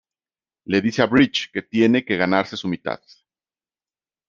Le dice a Bridge que tiene que ganarse su mitad.